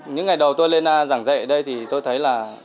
những ngày đầu tôi lên giảng dạy ở đây